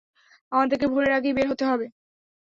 আমাদেরকে ভোরের আগেই বের হতে হবে।